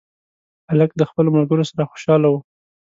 هلک د خپلو ملګرو سره خوشحاله و.